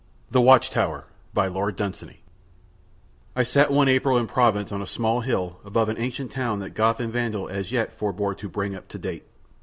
The Watch tower I sat one April in Provence on a small hill above an ancient town that Goth and Vandal as yet have forborne to "bring up to date."